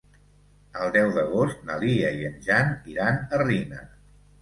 El deu d'agost na Lia i en Jan iran a Riner.